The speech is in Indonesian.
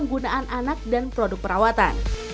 penggunaan anak dan produk perawatan